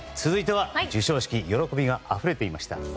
続いては授賞式喜びがあふれていました。